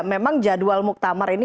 memang jadwal muktamar ini